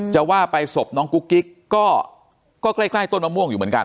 จะว่าไปศพน้องกุ๊กกิ๊กก็ใกล้ต้นมะม่วงอยู่เหมือนกัน